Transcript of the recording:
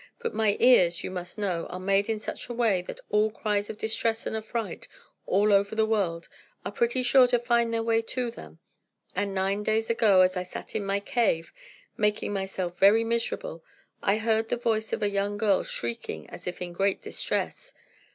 But my ears, you must know, are made in such a way that all cries of distress and affright, all over the world, are pretty sure to find their way to them; and nine days ago, as I sat in my cave, making myself very miserable, I heard the voice of a young girl shrieking as if in great distress.